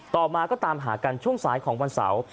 ต่อมาก็ตามหากันช่วงสายของวันเสาร์